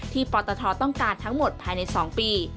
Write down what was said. ปตทต้องการทั้งหมดภายใน๒ปี